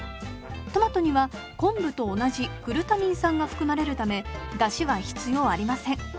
トマトには昆布と同じグルタミン酸が含まれるためだしは必要ありません。